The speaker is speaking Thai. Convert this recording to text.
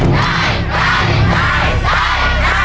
น้องแม่ง